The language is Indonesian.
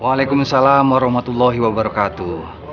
wa'alaikumussalam warahmatullahi wabarakatuh